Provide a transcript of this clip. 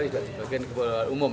di bagian kepulauan umum